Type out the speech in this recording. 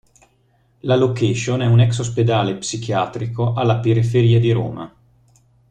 La location è un ex ospedale psichiatrico alla periferia di Roma.